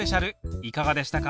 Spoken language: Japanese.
いかがでしたか？